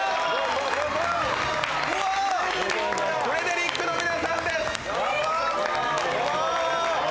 フレデリックの皆さんです。